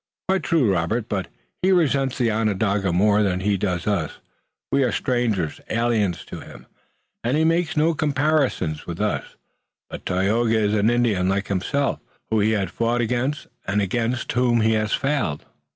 "Quite true, Robert, but he resents the Onondaga more than he does us. We are strangers, aliens to him, and he makes no comparisons with us, but Tayoga is an Indian like himself, whom he has fought against, and against whom he has failed.